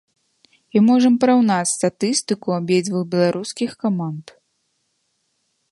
І можам параўнаць статыстыку абедзвюх беларускіх каманд.